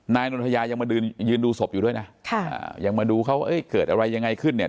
นนทยายังมายืนยืนดูศพอยู่ด้วยนะค่ะยังมาดูเขาเอ้ยเกิดอะไรยังไงขึ้นเนี่ย